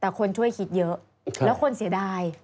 แต่คนช่วยคิดเยอะแล้วคนเสียดาย